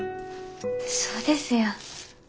そうですよ。